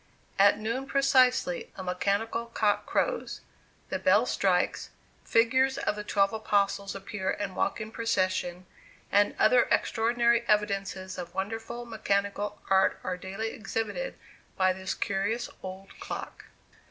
At noon precisely a mechanical cock crows; the bell strikes; figures of the twelve apostles appear and walk in procession; and other extraordinary evidences of wonderful mechanical art are daily exhibited by this curious old clock.